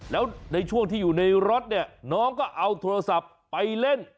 แล้วในช่วงที่อยู่ในรถเนี่ยน้องก็เอาโทรศัพท์ไปเล่น